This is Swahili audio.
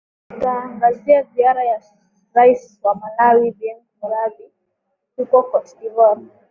a tutaangazia ziara ya rais wa malawi biengo muthari huko cote de voire